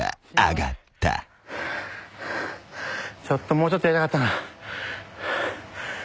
もうちょっとやりたかったな。